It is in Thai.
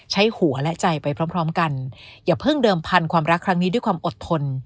ใช้หัวและใจไปพร้อมพร้อมกันอย่าเพิ่งเดิมพันธความรักครั้งนี้ด้วยความอดทน